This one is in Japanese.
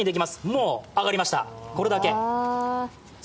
もう揚がりました、これだけ。